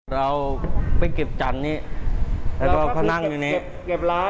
เราไปเก็บจันนี้เขานั่งอยู่นี้เขานั่งตรงไหน